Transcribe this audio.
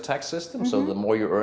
jadi lebih banyak yang anda bayar